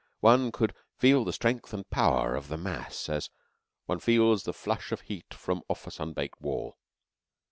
One could feel the strength and power of the mass as one feels the flush of heat from off a sunbaked wall.